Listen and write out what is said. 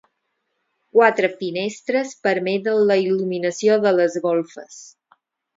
Quatre finestres permeten la il·luminació de les golfes.